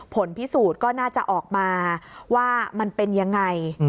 ผลพิสูจน์ก็น่าจะออกมาว่ามันเป็นยังไง